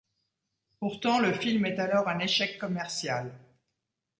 Pourtant le film est alors un échec commercial.